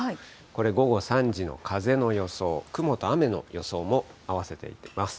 これ午後３時の風の予想、雲と雨の予想も合わせていきます。